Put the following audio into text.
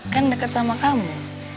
kan deket sama kamu